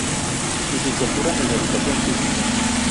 Licenciatura en Educación Física